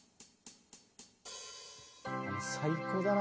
最高だな